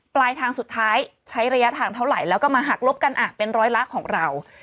ปลายทางสุดท้ายใช้ระยะทางเท่าไหร่แล้วก็มาหักลบกันเป็นร้อยละของเรา